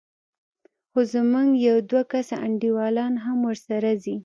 خو زموږ يو دوه کسه انډيوالان هم ورسره ځي.